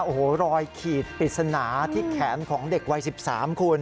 โอ้โหรอยขีดปริศนาที่แขนของเด็กวัย๑๓คุณ